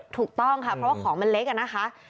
ถูกต้องค่ะเพราะว่าของมันเล็กอะนะคะ